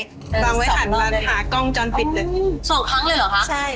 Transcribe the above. วางไว้ทันวางทางหากล้องจอนปิดเลย